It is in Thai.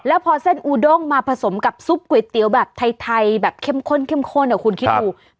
แล้วพอเส้นอูด้งมาผสมกับซุปก๋วยเตี๋ยวแบบไทยแบบเข้มข้นเข้มข้นคุณคิดดู